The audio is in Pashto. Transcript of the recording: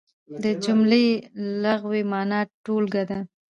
د جملې لغوي مانا ټولګه ده.